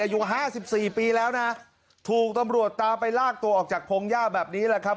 อายุ๕๔ปีแล้วนะถูกตำรวจตามไปลากตัวออกจากพงย่าแบบนี้แหละครับ